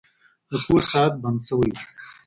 د کور ساعت بند شوی و.